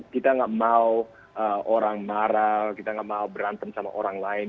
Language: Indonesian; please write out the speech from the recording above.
kita nggak mau orang marah kita nggak mau berantem sama orang lain